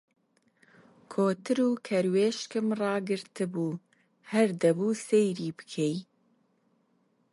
کۆتر و کەروێشکم ڕاگرتبوو، هەر دەبوو سەیری بکەی!